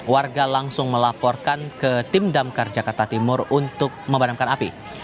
warga langsung melaporkan ke tim damkar jakarta timur untuk memadamkan api